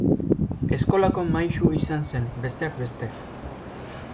Eskolako maisu izan zen, besteak beste.